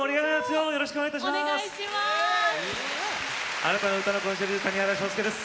あなたの歌のコンシェルジュ谷原章介です。